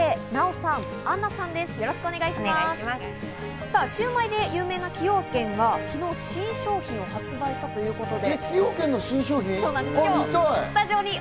さぁ、シウマイで有名な崎陽軒が昨日、新商品を発売したということで。